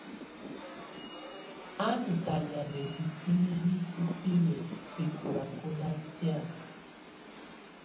U ndù talɛ̀á na hisinǝ hitibilǝ bɛkɔlakɔla tɛ̀á.